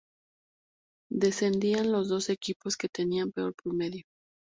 Descendían los dos equipos que tenían peor promedio.